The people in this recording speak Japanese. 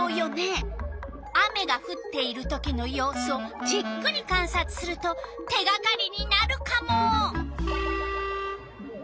雨がふっているときのようすをじっくりかんさつすると手がかりになるカモ！